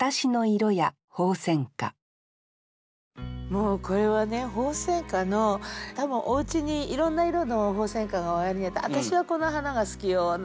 もうこれはね鳳仙花の多分おうちにいろんな色の鳳仙花がおありになって「私はこの花が好きよ」